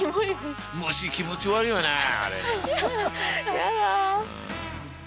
やだ。